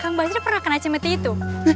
kang basir pernah kena cemeti itu